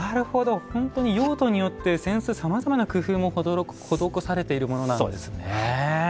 本当に用途によって、扇子さまざまな工夫が施されているものなんですね。